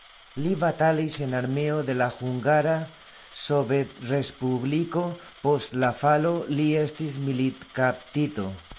Li batalis en armeo de la Hungara Sovetrespubliko, post la falo li estis militkaptito.